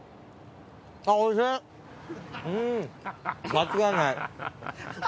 間違いない。